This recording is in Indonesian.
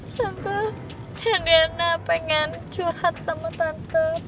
tante adriana pengen curhat sama tante